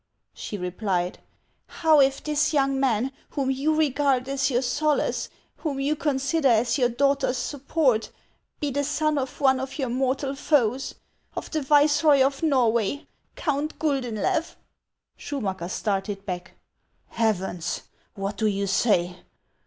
she replied, "how if this young man, whom you regard as your solace, whom you consider as your daughter's support, be the son of one of your mortal foes, — of the viceroy of Xorway, Count Guldenlew ?" Schumacker started back. " Heavens ! what do you say